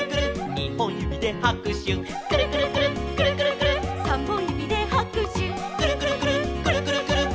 「にほんゆびではくしゅ」「くるくるくるっくるくるくるっ」「さんぼんゆびではくしゅ」「くるくるくるっくるくるくるっ」